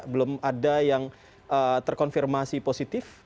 belum ada yang terkonfirmasi positif